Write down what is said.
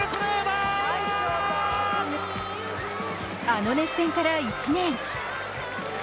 あの熱戦から１年。